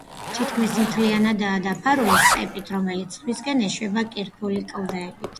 თითქმის მთლიანადაა დაფარული სტეპით, რომელიც ზღვისკენ ეშვება კირქვული კლდეებით.